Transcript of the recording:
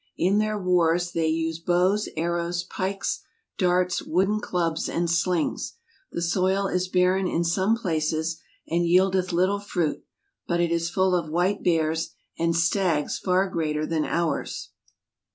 In their warres they vse bowes, arrowes, pikes, darts, woodden clubs, and slings. The soile is barren in some places, & yeeldeth little fruit, but it is full of white beares, and stagges farre greater than ours.